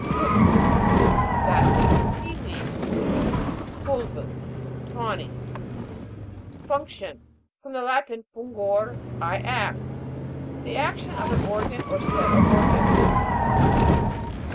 Fu'cus. Latin. Sea weed. Fut/ vous. Tawny. FUNC'TION. From the Latin, fungor, I act. The action of an organ or set of organs.